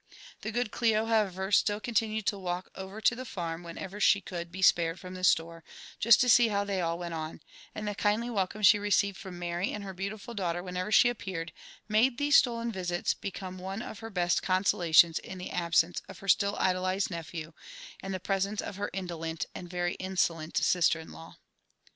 The good Clio, however, still continued to walk over to the farm, whenever she could be spared from the store, just to see how they all went on ; and the kindly welcome she received from Mary and her beautiful daughter whenever she appeared, made these stolen visits become one of her best consolations in the absence of her still idolized nephew, and the presence of her indolent and very insolent sister in law.